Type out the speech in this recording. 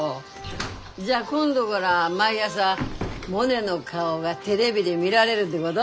じゃあ今度がら毎朝モネの顔がテレビで見られるってごど？